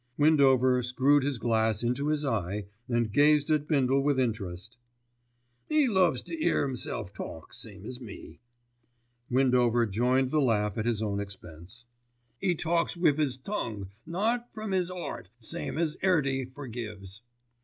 Windover screwed his glass into his eye and gazed at Bindle with interest. "'E loves to 'ear 'imself talk, same as me." Windover joined the laugh at his own expense. "'E talks with 'is tongue, not from 'is 'eart, same as 'Earty forgives.